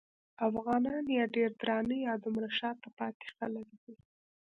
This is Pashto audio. افغانان یا ډېر درانه یا دومره شاته پاتې خلک دي.